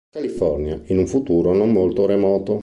California, in un futuro non molto remoto.